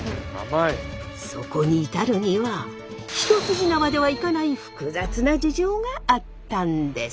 そこに至るには一筋縄ではいかない複雑な事情があったんです。